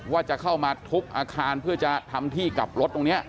ว่าจะเข้ามาทุบอาคารเพื่อจะทำที่กลับรถตรงนี้